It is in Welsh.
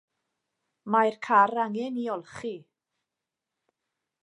Mae'r car angen 'i olchi.